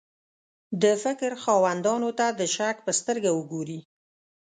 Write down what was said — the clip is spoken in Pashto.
د فکر خاوندانو ته د شک په سترګه وګوري.